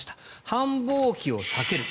繁忙期を避ける。